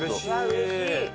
うれしい！